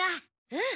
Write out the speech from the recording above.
うん。